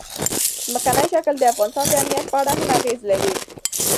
ځمکنی شکل د افغانستان د امنیت په اړه هم اغېز لري.